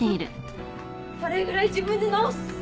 これぐらい自分で直す！